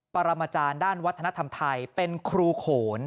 ปรมาจารย์ด้านวัฒนธรรมไทยเป็นครูโขน